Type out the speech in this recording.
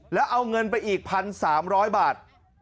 แล้วเอาเงินไปอีก๑๓๐๐บาท